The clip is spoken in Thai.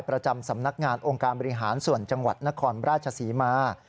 ประจำสำนักงานองค์การบริหารส่วนจังหวัดนครราชศรีมา